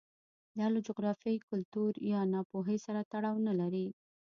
دا له جغرافیې، کلتور یا ناپوهۍ سره تړاو نه لري